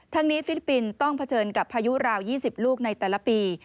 ทั้งนี้ฟิลิปปินส์ต้องเผชิญกับพายุราว๒๐ลูกในแต่ละปี